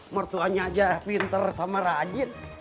mertuanya aja pinter sama rajin